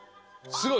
すごい。